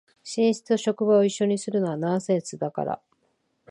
寝室と職場を一緒にするのはナンセンスだから